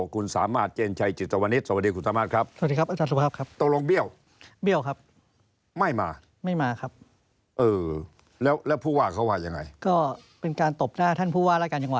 กุณสามารเจนชัยจิตวนิสสวัสดีคุณสามารครับ